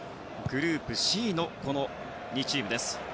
グループＣの２チームです。